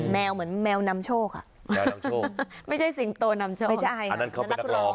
แมวเหมือนแมวนำโชคไม่ใช่สิงโตนำโชคอันนั้นเขาเป็นนักร้อง